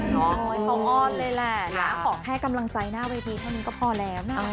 ของอ้อนเลยแหละของแค่กำลังใจหน้าเวทีเท่านี้ก็พอแล้วนะ